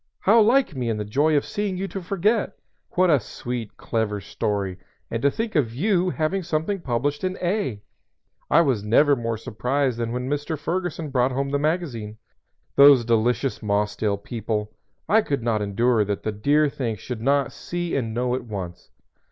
"How like me in the joy of seeing you, to forget! What a sweet, clever story! And to think of you having something published in 'A '! I never was more surprised than when Mr. Ferguson brought home the magazine. Those delicious Mossdale people! I could not endure that the dear things should not see and know at once.